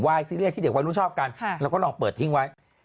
วายซีเรียสที่เด็กว่ารู้ชอบกันเราก็ลองเปิดทิ้งไว้